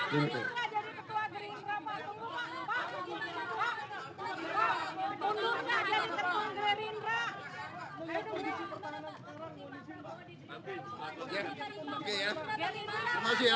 terima kasih ya